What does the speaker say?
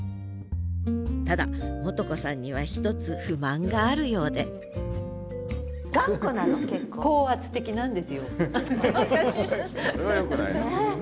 ただ元子さんには１つ不満があるようでそれはよくないな。